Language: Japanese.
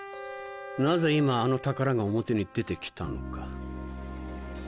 なぜ今あの宝が表に出て来たのか。